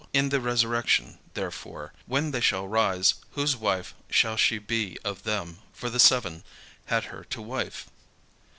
In the resurrection therefore, when they shall rise, whose wife shall she be of them, for the seven had her to wife?"